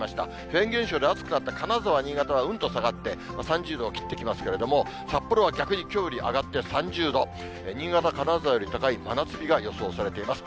フェーン現象で暑くなった金沢、新潟はうんと下がって３０度を切ってきますけれども、札幌は逆にきょうより上がって３０度、新潟は金沢より高い真夏日が予想されています。